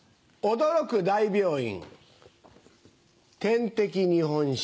驚く大病院。